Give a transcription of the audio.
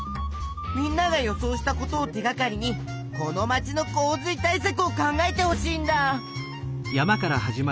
みんなが予想したことを手がかりにこの街の洪水対さくを考えてほしいんだ！